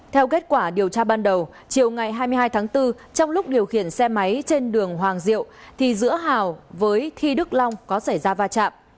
theo kết quả điều tra ban đầu chiều ngày hai mươi hai tháng bốn trong lúc điều khiển xe máy trên đường hoàng diệu thì giữa hào với thi đức long có xảy ra va chạm